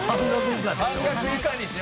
半額以下でしょ？